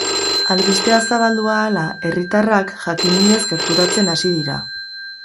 Albistea zabaldu ahala, herritarrak jakin-minez gerturatzen hasi dira.